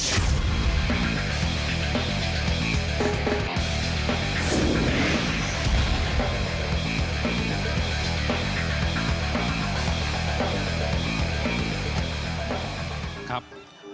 พบกันต์รับชม